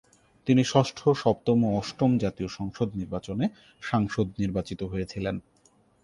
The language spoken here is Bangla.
তিনি ষষ্ঠ, সপ্তম ও অষ্টম জাতীয় সংসদ নির্বাচনে সাংসদ নির্বাচিত হয়েছিলেন।